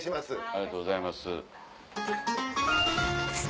ありがとうございます。